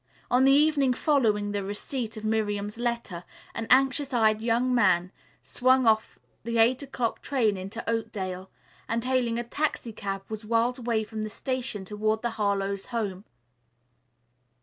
On the evening following the receipt of Miriam's letter, an anxious eyed young man swung off the eight o'clock train into Oakdale, and hailing a taxicab was whirled away from the station toward the Harlowe's home.